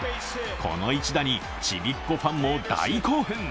この一打にちびっこファンも大興奮。